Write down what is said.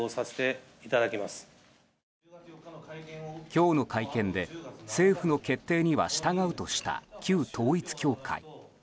今日の会見で政府の決定には従うとした旧統一教会。